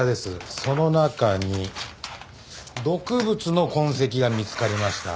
その中に毒物の痕跡が見つかりました。